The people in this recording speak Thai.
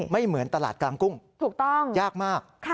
ไม่เหมือนตลาดกลางกุ้งยากมาก